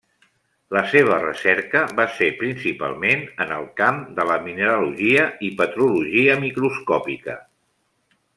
La seva recerca va ser principalment en el camp de mineralogia i petrologia microscòpica.